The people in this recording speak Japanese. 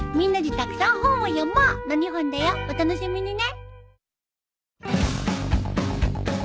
お楽しみにね。